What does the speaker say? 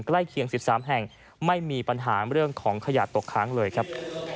ใกล้เคียง๑๓แห่งไม่มีปัญหาเรื่องของขยะตกค้างเลยครับ